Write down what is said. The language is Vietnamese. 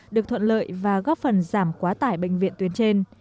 được thuận lợi và góp phần giảm quá tải bệnh viện tuyến trên